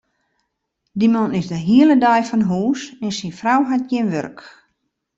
Dy man is de hiele dei fan hûs en syn frou hat gjin wurk.